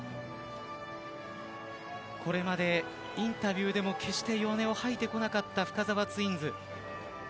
これまでインタビューでも決して弱音を吐いてこなかった深澤ツインズ。